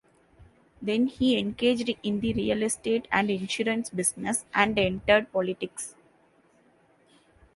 Then he engaged in the real estate and insurance business, and entered politics.